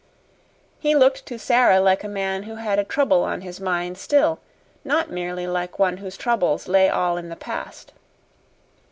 He looked to Sara like a man who had a trouble on his mind still, not merely like one whose troubles lay all in the past.